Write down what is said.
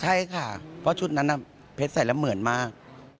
ใช่ค่ะเพราะชุดนั้นเพชรใส่แล้วเหมือนมาก